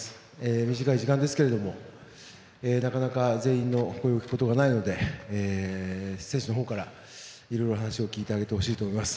短い時間ですけど、なかなか全員に聞けることがないので選手のほうからいろいろ話を聞いてほしいと思います。